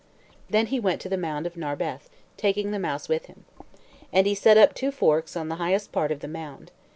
Then he went to the Mound of Narberth, taking the mouse with him. And he set up two forks on the highest part of the mound.